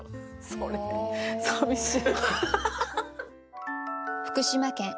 それ寂しい。